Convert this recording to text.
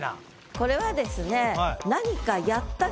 これはですね